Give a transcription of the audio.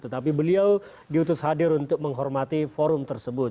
tetapi beliau diutus hadir untuk menghormati forum tersebut